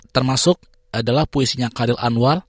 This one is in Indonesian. termasuk adalah puisinya karir anwar